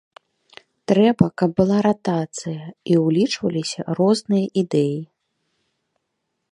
Трэба, каб была ратацыя і ўлічваліся розныя ідэі.